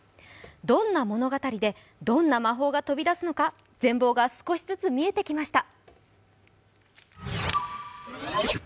どんな物語で、どんな魔法が飛び出すのか、全ぼうが少しずつ見えてきました。